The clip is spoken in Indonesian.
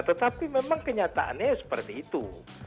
tetapi memang kenyataannya seperti itu